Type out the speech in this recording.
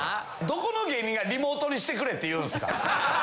どこの芸人がリモートにしてくれって言うんすか？